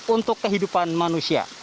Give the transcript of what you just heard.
untuk kehidupan manusia